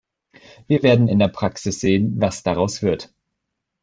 Wir werden in der Praxis sehen, was daraus wird.